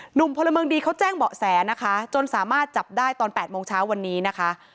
พลเมืองดีเขาแจ้งเบาะแสนะคะจนสามารถจับได้ตอน๘โมงเช้าวันนี้นะคะ